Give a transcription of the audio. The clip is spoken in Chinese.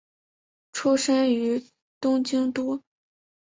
出身于东京都。